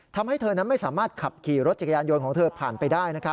ทำให้เธอนั้นไม่สามารถขับขี่รถจักรยานยนต์ของเธอผ่านไปได้